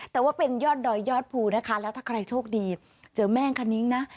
แต่ว่าเป็นยอดดอยยอดภูนะคะแล้วถ้าใครโชคดีเจอแม่งคณิ้งนะ